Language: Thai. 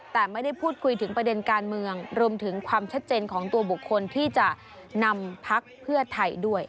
แต่ไม่ได้พูดคุยถึงประเด็นการเมืองรวมถึงความชัดเจนของตัวบุคคลที่จะนำพักเพื่อไทยด้วย